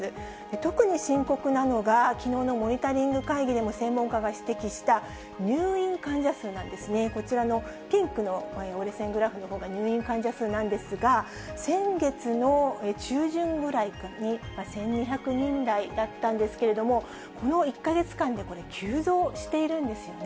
特に深刻なのが、きのうのモニタリング会議でも専門家が指摘した、入院患者数なんですね。こちらのピンクの折れ線グラフのほうが入院患者数なんですが、先月の中旬ぐらいに１２００人台だったんですけれども、この１か月間で急増しているんですよね。